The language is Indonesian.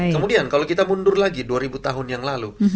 kemudian kalau kita mundur lagi dua ribu tahun yang lalu